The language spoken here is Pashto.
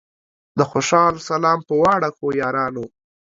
د خوشال سلام پۀ واړه ښو یارانو